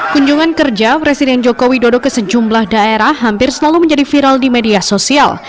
kunjungan kerja presiden joko widodo ke sejumlah daerah hampir selalu menjadi viral di media sosial